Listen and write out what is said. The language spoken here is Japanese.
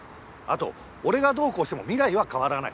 あと俺がどうこうしても未来は変わらない。